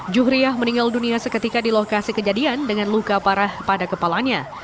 juhriah meninggal dunia seketika di lokasi kejadian dengan luka parah pada kepalanya